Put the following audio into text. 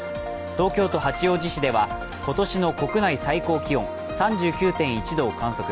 東京都八王子市では今年の国内最高気温３９．１度を観測。